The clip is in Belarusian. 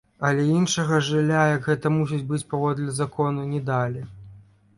Але іншага жылля, як гэта мусіць быць паводле закону, не далі.